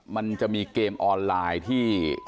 มันจะมีเกมออนไลน์ที่